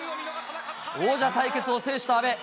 王者対決を制した阿部。